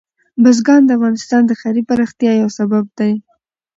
بزګان د افغانستان د ښاري پراختیا یو سبب دی.